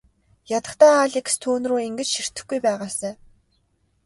Ядахдаа Алекс түүнрүү ингэж ширтэхгүй байгаасай.